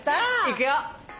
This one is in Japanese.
いくよ！